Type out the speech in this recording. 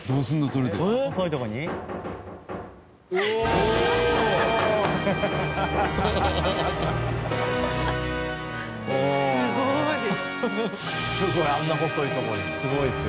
すごい。